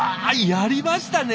やりましたね！